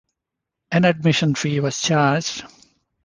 An admission fee was charged.